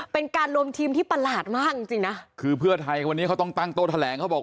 เป็นการรวมทีมที่ประหลาดมากจริงจริงนะคือเพื่อไทยวันนี้เขาต้องตั้งโต๊ะแถลงเขาบอก